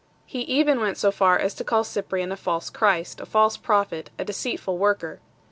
He even went so far as to call Cyprian a false Christ, a false prophet, a deceitful worker 1